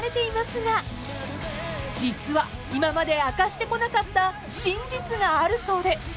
［実は今まで明かしてこなかった真実があるそうで］